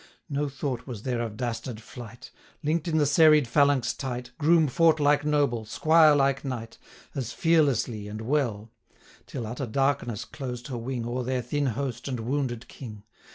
No thought was there of dastard flight; Link'd in the serried phalanx tight, Groom fought like noble, squire like knight, As fearlessly and well; 1040 Till utter darkness closed her wing O'er their thin host and wounded King.